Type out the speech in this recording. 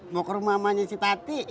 mau ke rumahnya si tati